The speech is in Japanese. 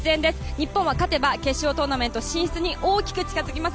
日本は勝てば決勝トーナメント進出に大きく近付きます。